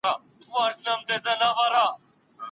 نجلۍ د کوم شي په بدل کي نه ورکول کيږي.